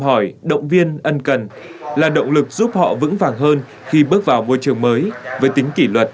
hỏi động viên ân cần là động lực giúp họ vững vàng hơn khi bước vào môi trường mới với tính kỷ luật